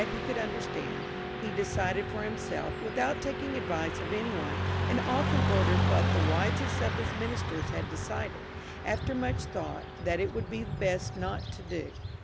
he could understand, lie decided for himself, without taking advice of any one^ and often ordered what the wisest of his ministers had decided, after much thought, that it would be best not to do.